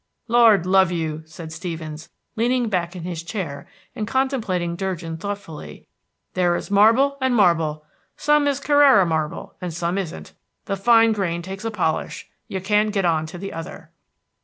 "Lord love you," said Stevens, leaning back in his chair and contemplating Durgin thoughtfully, "there is marble and marble; some is Carrara marble, and some isn't. The fine grain takes a polish you can't get on to the other."